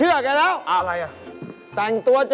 เพราะ